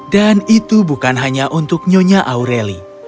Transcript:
dan itu bukan hanya untuk nyonya aureli